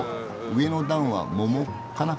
上の段は桃かな？